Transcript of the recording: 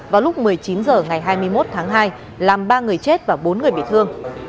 vào lúc một mươi chín h ngày hai mươi một tháng hai làm ba người chết và bốn người bị thương